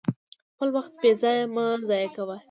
خپل وخت په بې ځایه خبرو مه ضایع کوئ.